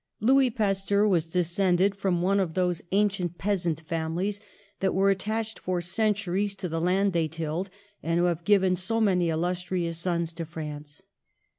2 PASTEUR Louis Pasteur was descended from one of those ancient peasant families that were at tached for centuries to the land they tilled, and who have given so many illustrious sons to France.